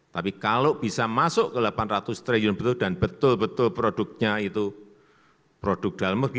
tapi kalau bisa masuk ke delapan ratus triliun betul dan betul betul produknya itu produk dalam negeri